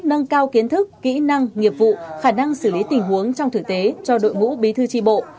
nâng cao kiến thức kỹ năng nghiệp vụ khả năng xử lý tình huống trong thực tế cho đội ngũ bí thư tri bộ